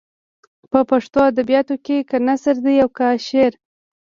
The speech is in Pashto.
په پښتو ادبیاتو کې که نثر دی او که شعر.